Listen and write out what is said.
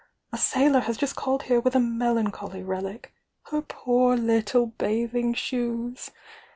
A sailor has just called here with a melancholy relio— her poor little bathing shoes!